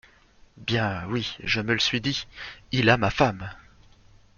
Bien, oui, je me le suis dit : "Il a ma femme !